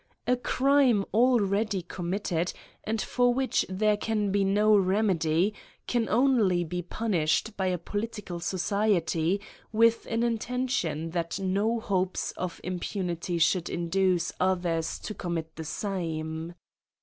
A crime al ready committed, and for which there can be no remedy, can only be punished by a political society with an intention that no hopes of impunity should induce others to commit the same.